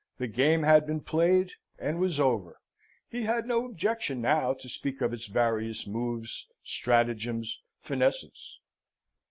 The game had been played, and was over: he had no objection now to speak of its various moves, stratagems, finesses.